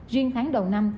riêng tháng đầu năm